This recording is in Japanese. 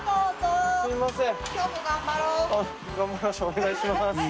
お願いします。